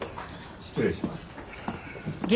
失礼します。